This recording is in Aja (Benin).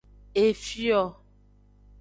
Efio.